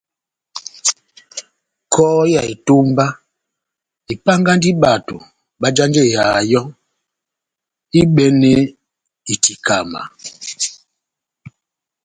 Kɔhɔ ya etómba epángandi bato bajanjeya yɔ́ ohibɛnɛ itikama.